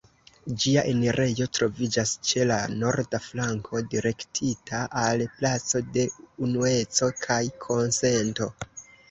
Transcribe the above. Ĝia enirejo troviĝas ĉe la norda flanko, direktita al placo de Unueco kaj Konsento.